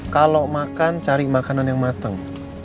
kalau makan cari makanan yang matang